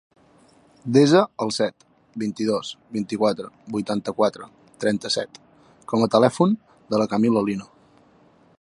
Desa el set, vint-i-dos, vint-i-quatre, vuitanta-quatre, trenta-set com a telèfon de la Camila Lino.